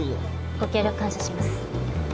ご協力感謝します。